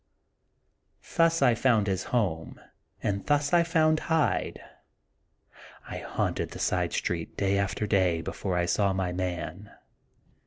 Thus I found his home, and thus I found Hyde. I haunted the side street day after day be fore I saw my man.